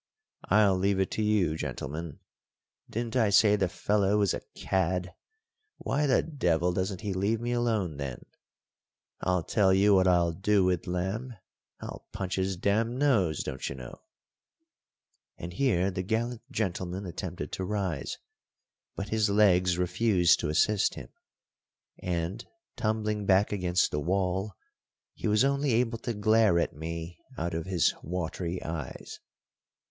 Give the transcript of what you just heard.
I'll leave it to you, gentlemen; didn't I say the fellow was a cad? Why the devil doesn't he leave me alone then? I'll tell you what I'll do with Lamb, I'll punch his damned nose, don't you know." And here the gallant gentleman attempted to rise, but his legs refused to assist him, and, tumbling back against the wall, he was only able to glare at me out of his watery eyes.